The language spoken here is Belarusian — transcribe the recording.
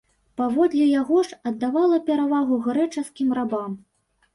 Паводле яго ж, аддавала перавагу грэчаскім рабам.